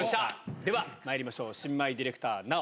では、まいりましょう、新米ディレクター、奈緒。